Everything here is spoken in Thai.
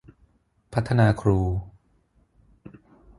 พัฒนาครู